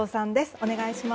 お願いします。